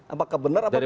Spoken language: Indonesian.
apakah benar atau tidak